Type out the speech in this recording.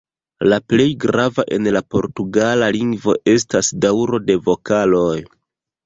La plej grava en la portugala lingvo estas daŭro de vokaloj.